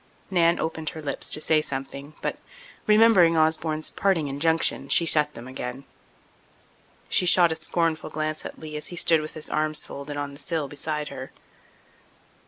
Nan opened her lips to say something but, remembering Osborne's parting injunction, she shut them again. She shot a scornful glance at Lee as he stood with his arms folded on the sill beside her.